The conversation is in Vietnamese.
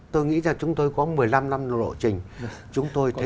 tôi nghĩ rằng chúng tôi có một mươi năm năm lộ trình